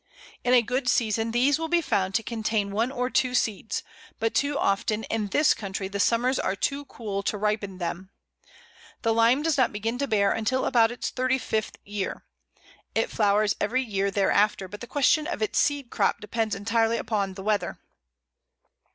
In a good season these will be found to contain one or two seeds, but too often in this country the summers are too cool to ripen them. The Lime does not begin to bear until about its thirty fifth year. It flowers every year thereafter, but the question of its seed crop depends entirely upon the weather.